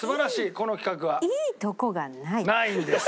この企画は。ないんです。